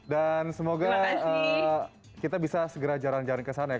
dan semoga kita bisa segera jalan jalan kesana ya